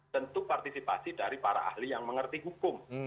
tentu partisipasi dari para ahli yang mengerti hukum